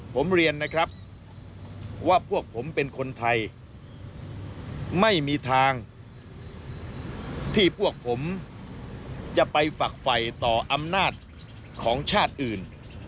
ผมเรียนนะครับว่าพวกผมเป็นคนไทยไม่มีทางที่พวกผมจะไปฝักไฟต่ออำนาจของชาติอื่น